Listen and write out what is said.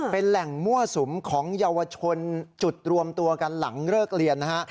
เป็นแหล่งมั่วสุมของเยาวชนจุดรวมตัวกันหลังเลิกเรียนนะฮะ